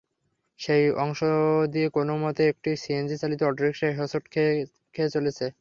সেই অংশ দিয়ে কোনোমতে একটি সিএনজিচালিত অটোরিকশা হোঁচট খেয়ে খেয়ে চলছে।